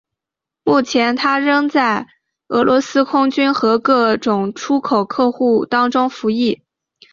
目前它仍在俄罗斯空军和各种出口客户当中服役。